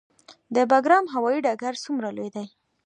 د بګرام هوايي ډګر څومره لوی دی؟